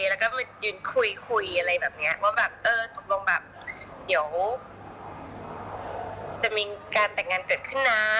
แล้วก็มายืนคุยคุยอะไรแบบนี้ว่าแบบเออตกลงแบบเดี๋ยวจะมีการแต่งงานเกิดขึ้นนะ